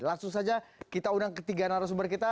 langsung saja kita undang ketiga narasumber kita